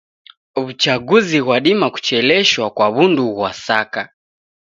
W'uchaguzi ghwadima kucheleshwa kwa w'undu ghwa saka.